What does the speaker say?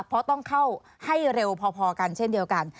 เพราะต้องเข้าให้เร็วพอกันเช่นเดียวกัน